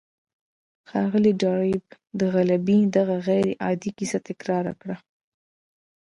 ښاغلي ډاربي د غلبې دغه غير عادي کيسه تکرار کړه.